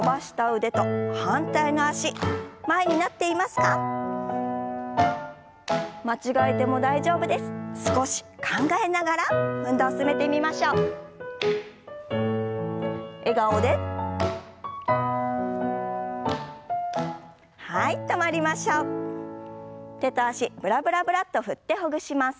手と脚ブラブラブラッと振ってほぐします。